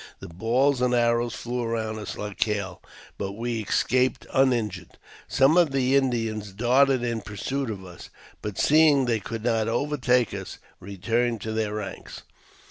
The balls and arrows flew around us like hail, but we escaped uninjured. Some of the Indians darted in pursuit of us, but, seeing they could riot overtake us, returned to their ranks.